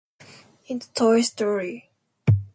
It's toy story.